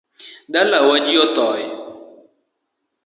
Dalawa ji othoe